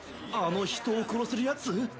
あの人を殺せるやつ？